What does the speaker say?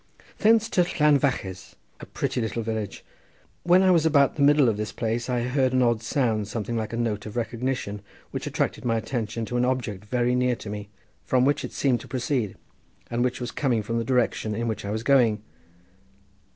Thence to Llanvaches, a pretty little village. When I was about the middle of this place I heard an odd sound something like a note of recognition, which attracted my attention to an object very near to me, from which it seemed to proceed, and which was coming from the direction in which I was going.